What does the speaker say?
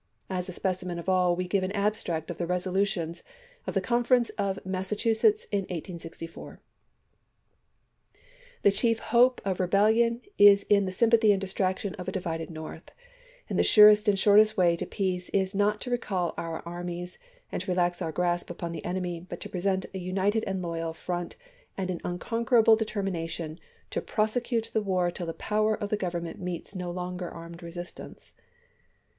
As a specimen of all we give an abstract of the resolutions of the Conference of Massachusetts in 1864. " The chief hope of rebellion is in the sympathy and distraction of a divided North, and the surest and shortest way to peace is not to recall our ai'mies and to relax our grasp upon the enemy, but to present a united and loyal front and an unconquerable determination to prosecute the war till the power of the Government meets no longer armed resistance."